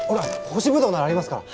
干しブドウならありますから。